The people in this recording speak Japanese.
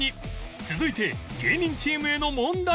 続いて芸人チームへの問題は